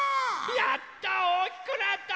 やったおおきくなった！